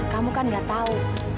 kamu kan gak tahu